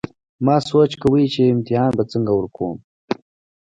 ما سوچ کوو چې امتحان به څنګه ورکوم